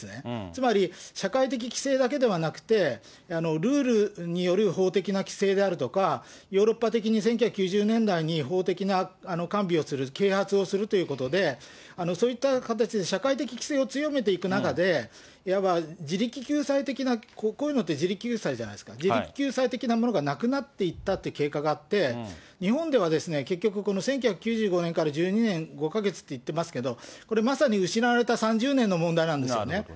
つまり社会的規制だけではなくて、ルールによる法的な規制であるとか、ヨーロッパ的に１９９０年代に法的な完備をする、啓発をするということで、そういった形で社会的規制を強めていく中で、いわば自力救済的な、こういうのって自力救済じゃないですか、自力救済的なものがなくなっていったっていう経過があって、日本では結局、この１９９５年から１２年５か月っていってますけれども、これまさに失われた３０年の問題なんですよね。